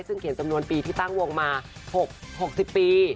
ซึ่งเขียนจำนวนปีที่ตั้งวงมา๖๐ปี